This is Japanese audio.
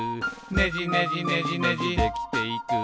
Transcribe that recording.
「ねじねじねじねじできていく」